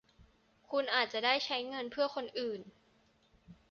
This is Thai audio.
คุณอาจจะได้ใช้เงินเพื่อคนอื่น